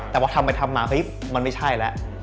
แต่พอทำไปทำมาเฮ้ยมันไม่ใช่แล้ว